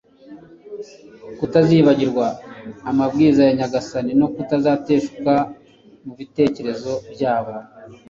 kutazibagirwa amabwiriza ya nyagasani no kutazateshuka mu bitekerezo byabo